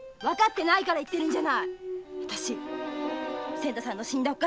私仙太さんの死んだおっ